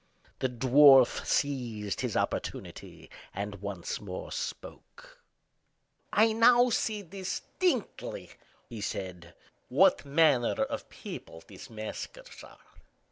The dwarf seized his opportunity, and once more spoke: "I now see distinctly," he said, "what manner of people these maskers are.